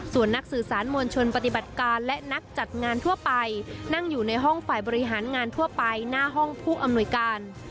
ส่วนนักสื่อสารมวลชนปฏิบัติการและนักจัดงานทั่วไปนั่งอยู่ในห้องฝ่ายบริหารงานทั่วไปหน้าห้องผู้อำนวยการ